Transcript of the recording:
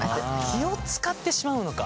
気をつかってしまうのか。